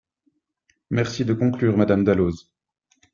Merci de conclure, Madame Dalloz.